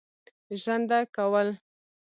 ژرنده کول.